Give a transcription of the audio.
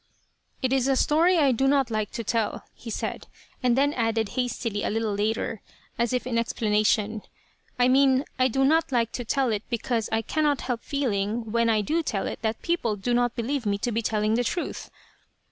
"It is a story I do not like to tell," he said, and then added hastily a little later, as if in explanation, "I mean I do not like to tell it because I cannot help feeling, when I do tell it, that people do not believe me to be telling the truth.